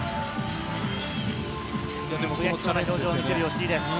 悔しそうな表情を見せる吉井です。